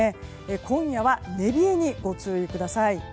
今夜は寝冷えにご注意ください。